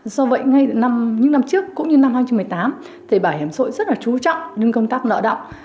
do vậy ngay những năm trước cũng như năm hai nghìn một mươi tám thì bảo hiểm xã hội rất là chú trọng đến công tác nợ động